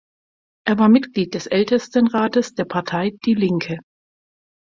Er war Mitglied des Ältestenrates der Partei Die Linke.